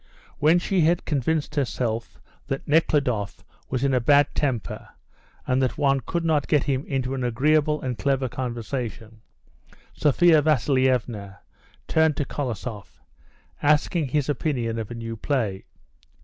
When she had convinced herself that Nekhludoff was in a bad temper and that one could not get him into an agreeable and clever conversation, Sophia Vasilievna turned to Kolosoff, asking his opinion of a new play.